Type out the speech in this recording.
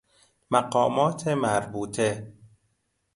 مقامات مربوطه